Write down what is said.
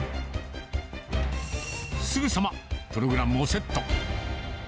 すぐさま、プログラムをセット。